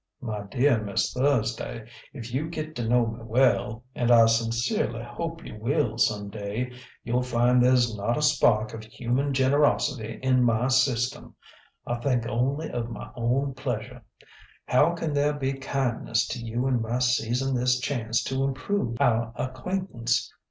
"My dear Miss Thursday, if you get to know me well and I sincerely hope you will some day you'll find there's not a spark of human generosity in my system. I think only of my own pleasure. How can there be kindness to you in my seizing this chance to improve our acquaintance?